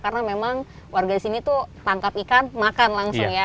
karena memang warga di sini itu tangkap ikan makan langsung ya